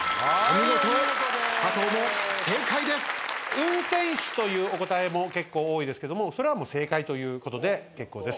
「運転手」というお答えも結構多いですけどもそれはもう正解ということで結構です。